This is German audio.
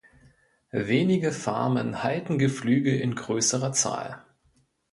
Wenige Farmen halten Geflügel in größerer Zahl.